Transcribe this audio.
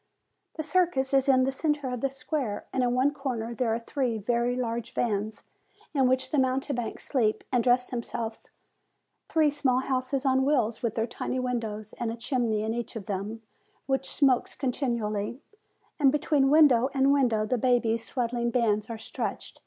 The circus is in the centre of the square; and in one corner there are three very large vans in which the mountebanks sleep and dress themselves, three small houses on wheels, with their tiny windows, and a chimney in each of them, which smokes continually ; and between window and window the baby's swaddling bands are stretched.